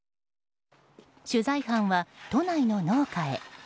取材班は、都内の農家へ。